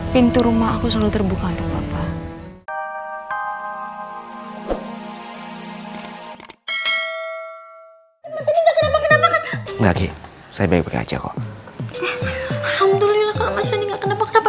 pintu rumah aku selalu terbuka untuk apa